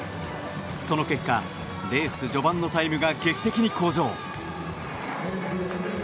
その結果、レース序盤のタイムが劇的に向上。